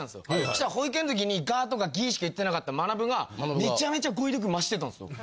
したら保育園の時にガーとかギーしか言ってなかったまなぶがめちゃめちゃ語彙力増してたんですよ。